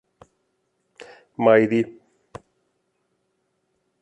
Mairi